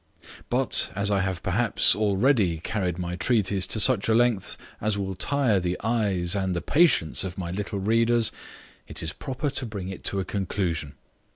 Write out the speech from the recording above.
But as I have perhaps, already carried my treatise to such a length as will tire the eyes and the patience of my little readers, it is proper to bring it to a conclusion.